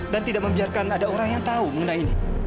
dan tidak membiarkan ada orang yang tahu mengenai ini